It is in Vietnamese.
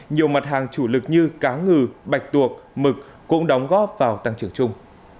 nhiều mặt hàng chủ lực như cá ngừ bạch tuộc mực cũng đóng góp vào tăng trưởng chung